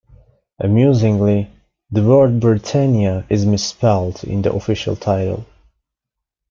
Amusingly, the word "Britannia" is misspelled in the official title.